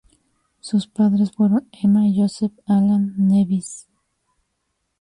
Sus padres fueron Emma y Joseph Allan Nevins.